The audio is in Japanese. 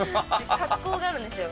格好があるんですよ。